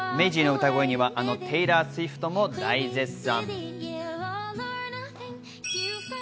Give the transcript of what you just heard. メイジーの歌声にはあのテイラー・スウィフトも大絶賛。